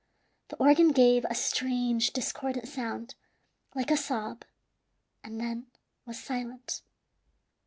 The organ gave a strange, discordant sound, like a sob, and then was silent.